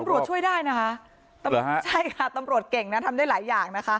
ตำรวจช่วยได้นะคะตำรวจฮะใช่ค่ะตำรวจเก่งนะทำได้หลายอย่างนะคะ